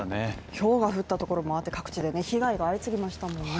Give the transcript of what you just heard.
ひょうが降ったところもあって各地で被害が相次ぎましたね